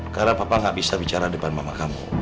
karena papa gak bisa bicara depan mama kamu